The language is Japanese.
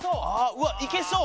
うわっいけそう！